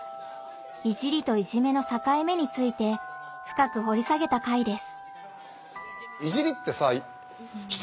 「いじり」と「いじめ」のさかい目についてふかくほり下げた回です。